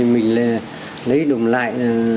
mình lấy đồng lại